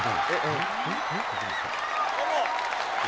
どうも。